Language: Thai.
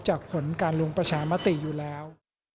ผลการลงประชามติอยู่แล้ว